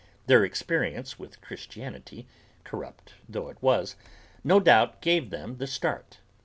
Their experience with Christianity, corrupt though it was, no doubt gave them the start.